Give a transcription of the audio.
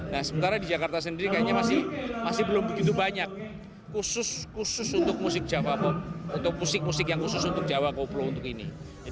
nah sementara di jakarta sendiri kayaknya masih belum begitu banyak khusus khusus untuk musik jawa pop untuk musik musik yang khusus untuk jawa koplo untuk ini